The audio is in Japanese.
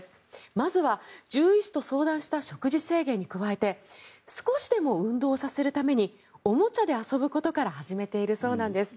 まずは銃医師と相談した食事制限に加えて少しでも運動させるためにおもちゃで遊ぶことから始めているそうなんです。